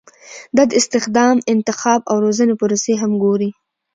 دا د استخدام، انتخاب او روزنې پروسې هم ګوري.